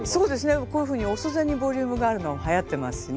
こういうふうにおそでにボリュームがあるのはやってますしね。